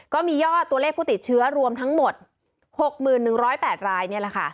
ก็มีย่อตัวเลขผู้ติดเชื้อรวมทั้งหมดหกหมื่นหนึ่งร้อยแปดราย